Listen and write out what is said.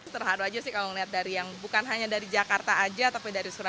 terharu aja sih kalau melihat dari yang bukan hanya dari jakarta aja tapi dari surabaya